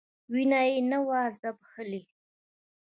وينه يې نه وه ځبېښلې.